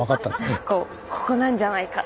結構ここなんじゃないかって。